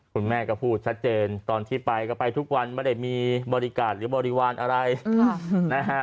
คุณแม่ก็พูดชัดเจนตอนที่ไปก็ไปทุกวันไม่ได้มีบริการหรือบริวารอะไรนะฮะ